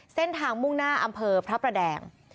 เส้นทางมุ่งหน้าอำเภอพระประแดง